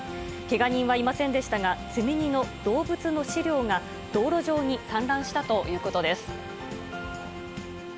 けが人はいませんでしたが、積み荷の動物の飼料が道路上に散乱したということです。